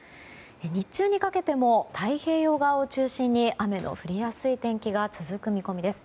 日中にかけても太平洋側を中心に雨の降りやすい天気が続く見込みです。